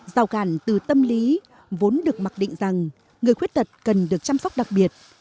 rào cản từ tâm lý vốn được mặc định rằng người khuyết tật cần được chăm sóc đặc biệt